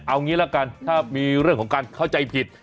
เอานี้นั่งก่อนมีเรื่องของการเขาใจผิด